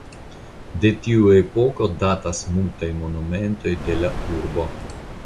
De tiu epoko datas multaj monumentoj de la urbo.